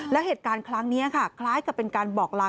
แล้วเหตุการณ์ครั้งนี้ค่ะคล้ายกับเป็นการบอกลา